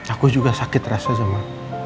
aku juga sakit rasa sama